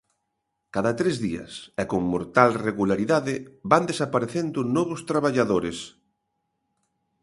Cada tres días e con mortal regularidade van desaparecendo novos traballadores: